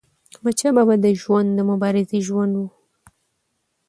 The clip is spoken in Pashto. احمدشاه بابا د ژوند د مبارزې ژوند و.